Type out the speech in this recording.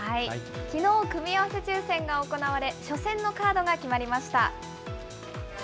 きのう、組み合わせ抽せんが行われ、初戦のカードが決まりました。